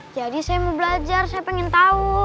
jadi saya mau belajar saya pengen tau